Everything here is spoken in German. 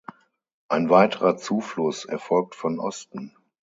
Ein weiterer Zufluss erfolgt von Osten.